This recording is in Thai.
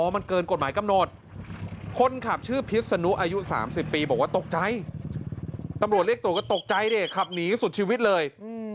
มันเกินกฎหมายกำหนดคนขับชื่อพิษนุอายุ๓๐ปีบอกว่าตกใจตำรวจเรียกตัวก็ตกใจดิขับหนีสุดชีวิตเลย